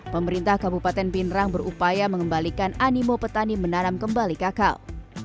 pemerintah kabupaten pindrang berupaya mengembalikan animo petani menanam kembali kakao